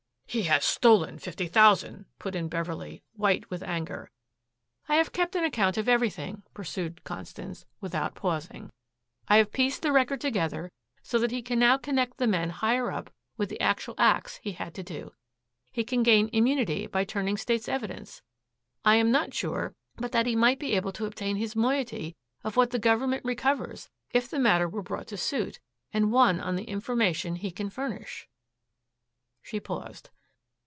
"He has stolen fifty thousand," put in Beverley, white with anger. "I have kept an account of everything," pursued Constance, without pausing. "I have pieced the record together so that he can now connect the men higher up with the actual acts he had to do. He can gain immunity by turning state's evidence. I am not sure but that he might be able to obtain his moiety of what the Government recovers if the matter were brought to suit and won on the information he can furnish." She paused.